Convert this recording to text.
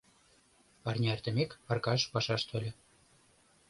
Арня эртымек, Аркаш пашаш тольо.